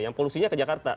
yang polusinya ke jakarta